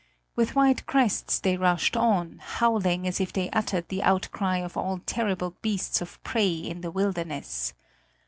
With white crests they rushed on, howling, as if they uttered the outcry of all terrible beasts of prey in the wilderness.